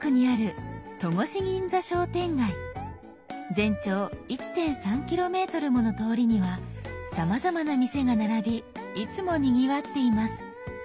全長１．３キロメートルもの通りにはさまざまな店が並びいつもにぎわっています。